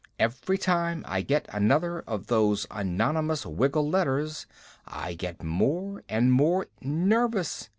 Every time I get another of those Anonymous Wiggle letters I get more and more nervous.